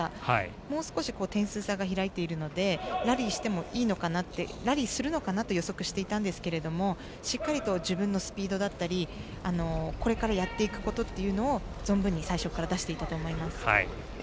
もう少し点数差が開いているのでラリーしてもいいのかなってラリーするのかなって予測していたんですけどしっかりと自分のスピードだったりこれからやっていくことを存分に最初から出していたと思います。